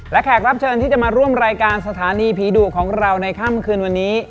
และแขกรับเชิญที่จะมาร่วมรายการสถานีผีดุของเราในค่ำคืนวันนี้